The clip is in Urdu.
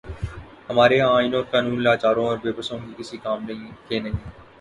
ہمارے ہاں آئین اور قانون لاچاروں اور بے بسوں کے کسی کام کے نہیں۔